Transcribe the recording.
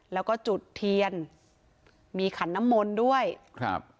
แล้วก็จุดเทียนมีขันน้ำมนต์ด้วยครับ